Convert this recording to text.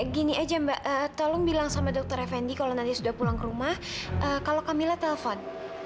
gini aja mbak tolong bilang sama dokter fnd kalau nanti sudah pulang ke rumah kalau kamila telepon